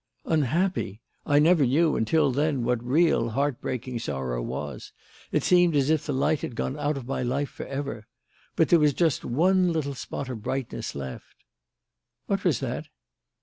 "Unhappy! I never knew, until then, what real, heart breaking sorrow was. It seemed as if the light had gone out of my life for ever. But there was just one little spot of brightness left." "What was that?"